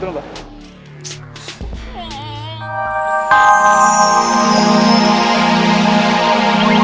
aku tidak melanggar peraturan lalu lintas